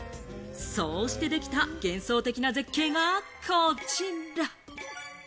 そうしてできた幻想的な絶景が、こちら。